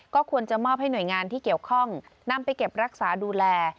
ก็ควรจะมอบให้หน่วยงานที่เกี่ยวข้องนำไปเก็บรักษาดูแล